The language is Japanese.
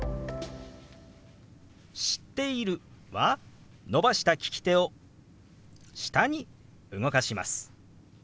「知っている」は伸ばした利き手を下に動かします。